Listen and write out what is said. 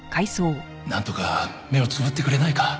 なんとか目をつぶってくれないか？